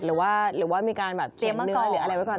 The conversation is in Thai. หรือว่ามีการแบบเตรียมเมื่อก่อน